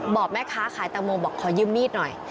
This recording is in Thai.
บอกแม่ค้าขายแตงโมบอกขอยืมมีดหน่อย